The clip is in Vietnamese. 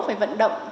phải vận động